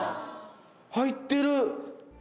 入ってる！